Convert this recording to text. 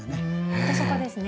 本当そこですね。